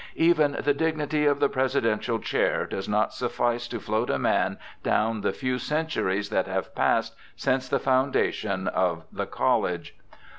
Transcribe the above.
Even the dignity of the Presidential chair does not suffice to float a man down the few centuries that have passed since the foundation HARVEY 333 of the College.